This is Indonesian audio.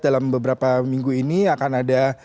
dalam beberapa minggu ini akan ada